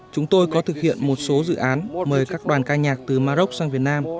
chúng tôi có thực hiện một số dự án mời các đoàn ca nhạc từ maroc sang việt nam